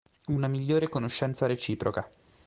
Una migliore conoscenza reciproca.